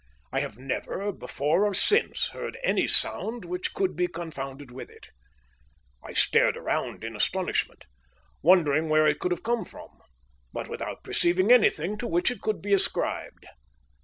I have never, before or since, heard any sound which could be confounded with it. I stared round in astonishment, wondering where it could have come from, but without perceiving anything to which it could be ascribed.